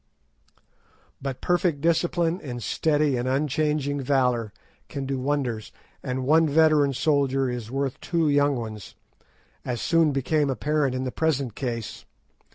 But perfect discipline and steady and unchanging valour can do wonders, and one veteran soldier is worth two young ones, as soon became apparent in the present case.